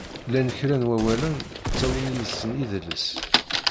Llan kra n wawalen ttawin yid-sen idles.